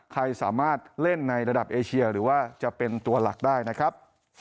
ใครสามารถเล่นในระดับเอเชียหรือว่าจะเป็นตัวหลักได้นะครับ